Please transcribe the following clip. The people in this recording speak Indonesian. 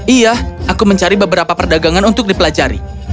iya aku mencari beberapa perdagangan untuk dipelajari